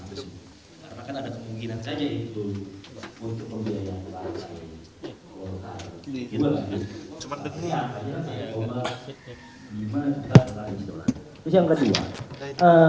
estarkan anda mungkin saja itu punggul omby heir heavy usted